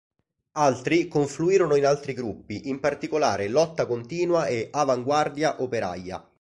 Altri confluirono in altri gruppi, in particolare Lotta Continua e Avanguardia Operaia.